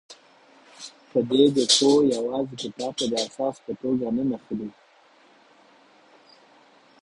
پدیده پوه یوازې کتاب ته د اساس په توګه نه نښلي.